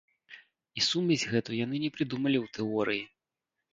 І сумесь гэту яны не прыдумалі ў тэорыі.